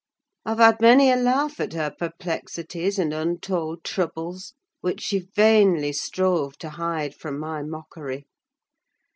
I've had many a laugh at her perplexities and untold troubles, which she vainly strove to hide from my mockery.